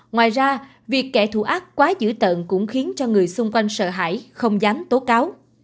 ngoài ra việc kẻ thù ác quá dữ tận cũng khiến cho người xung quanh sợ hãi không dám tố cáo